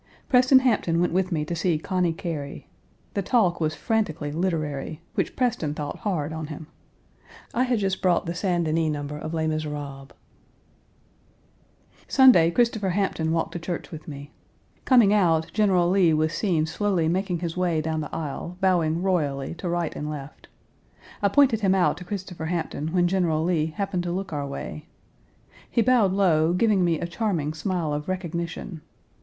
Preston Hampton went with me to see Conny Cary. The talk was frantically literary, which Preston thought hard on him. I had just brought the St. Denis number of Les Miserables. Sunday, Christopher Hampton walked to church with me. Coming out, General Lee was seen slowly making his way down the aisle, bowing royally to right and left. I pointed him out to Christopher Hampton when General Lee happened to look our way. He bowed low, giving me a charming smile of recognition.